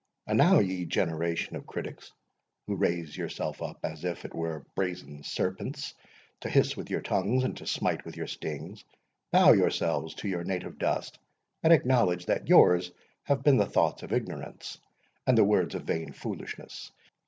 And now, ye generation of critics, who raise yourselves up as if it were brazen serpents, to hiss with your tongues, and to smite with your stings, bow yourselves down to your native dust, and acknowledge that yours have been the thoughts of ignorance, and the words of vain foolishness.